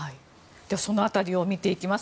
ではその辺りを見ていきます。